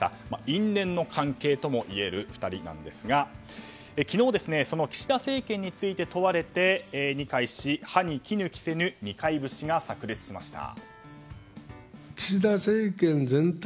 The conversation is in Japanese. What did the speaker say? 因縁の関係ともいえる２人なんですが昨日、その岸田政権について問われて二階氏歯に衣着せぬ二階節が炸裂しました。